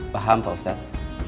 paham pak ustadz